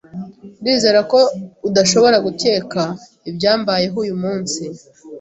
Ndizera ko udashobora gukeka ibyambayeho uyu munsi. )